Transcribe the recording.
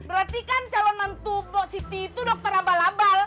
berarti kan calon mantu siti itu dokter ambal ambal